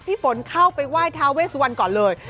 พี่ฝนเข้าไปไหว้เท้าเวสวรรค์ก่อนเลย